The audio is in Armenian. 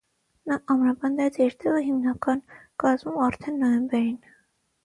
Նա ամրապնդեց իր տեղը հիմնական կազմում արդեն նոյեմբերին։